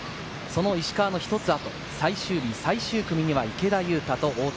その石川の一つ後、最終日最終組には池田勇太と大槻。